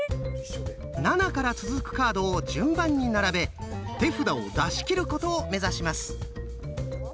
７から続くカードを順番に並べ手札を出し切ることを目指します。